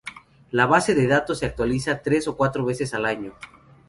La base de datos se actualiza tres o cuatro veces al año.